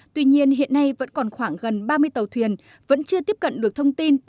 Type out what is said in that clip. tuy nhiên hiện nay vẫn còn khoảng gần ba mươi tàu thuyền vẫn chưa tiếp cận được thông tin